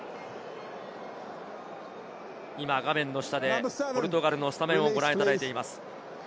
画面の下でポルトガルのスタメンをご覧いただいています。